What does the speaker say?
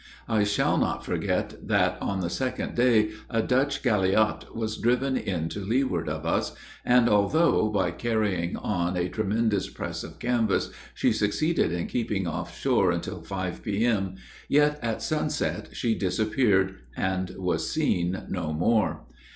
I shall not forget that, on the second day, a Dutch galliot was driven in to leeward of us; and although, by carrying on a tremendous press of canvass, she succeeded in keeping off shore until five P.M., yet, at sunset she disappeared, and was seen no more.